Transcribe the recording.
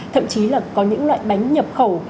thậm chí là có những loại bánh nhập khẩu